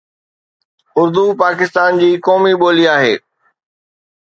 اردو پاڪستان جي قومي ٻولي آهي